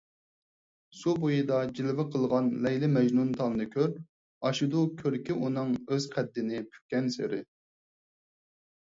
سۇ بويىدا جىلۋە قىلغان لەيلى - مەجنۇنتالنى كۆر، ئاشىدۇ كۆركى ئۇنىڭ ئۆز قەددىنى پۈككەنسېرى.